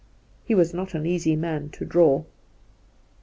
He was not an easy man to draw.